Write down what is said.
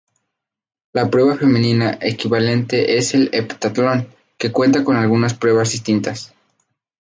La prueba femenina equivalente es el heptatlón, que cuenta con algunas pruebas distintas.